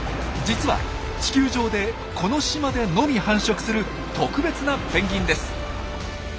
実は地球上でこの島でのみ繁殖する特別なペンギンです。